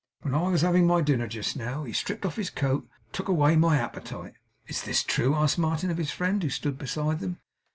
When I was having my dinner just now, he stripped off his coat, and took away my appetite.' 'Is THIS true?' asked Martin of his friend, who stood beside them.